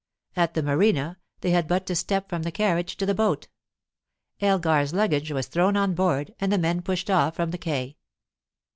At the Marina, they had but to step from the carriage to the boat. Elgar's luggage was thrown on board, and the men pushed off from the quay.